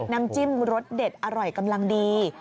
น้ำจิ้มรสเด็ดอร่อยกำลังดี